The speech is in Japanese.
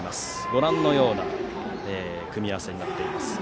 ご覧のような組み合わせになっております。